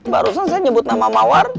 barusan saya nyebut nama mawar